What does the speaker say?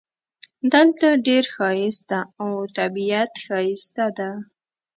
دلته ډېر ښایست ده او طبیعت ښایسته ده